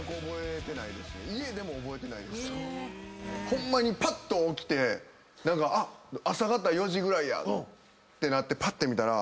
ホンマにぱっと起きて何か朝方４時ぐらいやってなってぱって見たら。